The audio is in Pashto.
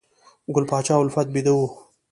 ګل پاچا الفت بیده و